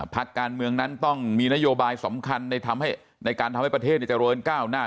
พักการเมืองนั้นต้องมีนโยบายสำคัญในการทำให้ประเทศเจริญก้าวหน้า